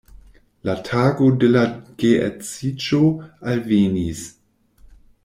La tago de la geedziĝo alvenis.